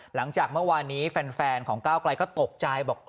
หลังจากเมื่อวานนี้แฟนของก้าวไกลก็ตกใจบอก